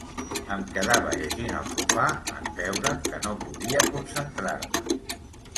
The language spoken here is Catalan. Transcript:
Em quedava llegint al sofà, en veure que no podia concentrar-me.